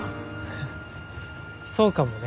フッそうかもね。